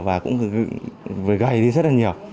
và cũng gầy đi rất là nhiều